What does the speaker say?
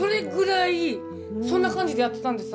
そんな感じでやってたんです